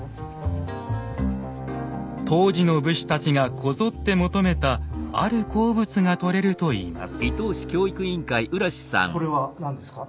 当時の武士たちがこぞって求めたある鉱物がとれるといいます。